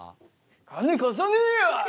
金貸さねえよ！